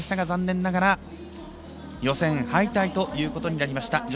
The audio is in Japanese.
残念ながら予選敗退ということになりました。